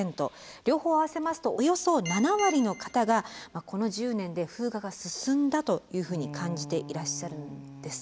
両方合わせますとおよそ７割の方がこの１０年で風化が進んだというふうに感じていらっしゃるんですって。